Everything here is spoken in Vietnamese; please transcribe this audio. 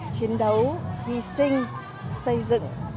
chiến đấu hy sinh xây dựng